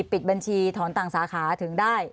ปิดบัญชีถอนต่างสาขาถึงได้